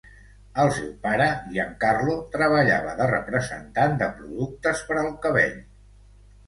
El seu pare, Giancarlo, treballava de representant de productes per al cabell.